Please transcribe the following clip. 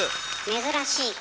珍しい。